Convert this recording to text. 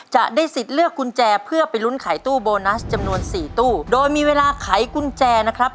จะได้สิทธิ์เลือกกุญแจเพื่อไปลุ้นขายตู้โบนัสจำนวนสี่ตู้โดยมีเวลาไขกุญแจนะครับ